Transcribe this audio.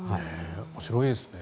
面白いですね。